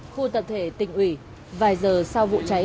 khu tập thể tỉnh ủy vài giờ sau vụ cháy